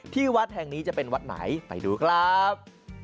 ที่วัดแห่งนี้จะเป็นวัดไหนไปดูครับ